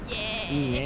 いいね。